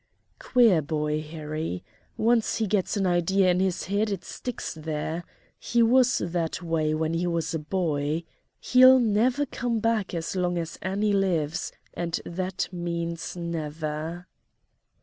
Queer boy, Harry. Once he gets an idea in his head it sticks there. He was that way when he was a boy. He'll never come back as long as Annie lives, and that means never."